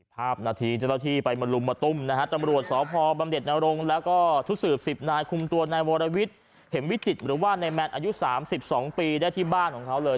ภาพนาทีเจ้าหน้าที่ไปมาลุมมาตุ้มนะฮะตำรวจสพบำเด็ดนรงค์แล้วก็ชุดสืบ๑๐นายคุมตัวนายวรวิทย์เห็มวิจิตรหรือว่านายแมนอายุ๓๒ปีได้ที่บ้านของเขาเลย